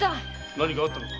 何かあったのか？